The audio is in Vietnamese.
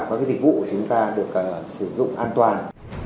để tìm ra những cái dịch vụ của chúng ta được sử dụng an toàn